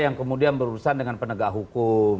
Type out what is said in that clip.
yang kemudian berurusan dengan penegak hukum